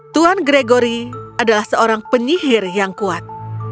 tuan gregory adalah seorang penyihir yang kuat